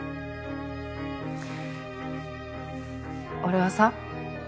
俺はさ